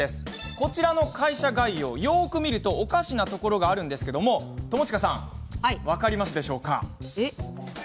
こちらの会社概要よく見るとおかしなところがあるんですが友近さん、分かりますか？